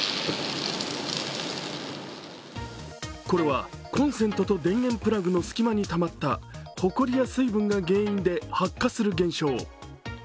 これはコンセントと電源プラグの隙間にたまったほこりや水分が原因で発火する現象。